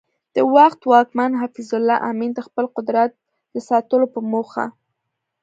د وخت واکمن حفیظ الله امین د خپل قدرت د ساتلو په موخه